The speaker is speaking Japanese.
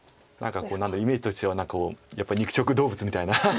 何かイメージだと違うやっぱり肉食動物みたいな。